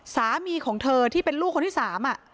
สามีของเธอที่เป็นลูกคนที่สาม